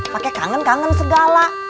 pake kangen kangen segala